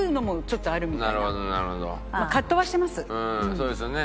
そうですよね。